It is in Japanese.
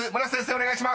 お願いします］